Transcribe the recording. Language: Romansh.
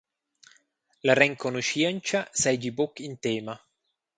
La renconuschientscha seigi buc in tema.